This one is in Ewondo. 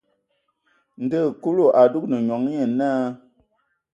Ndo hm Kúlu a dúgan nyoan, nyé náa.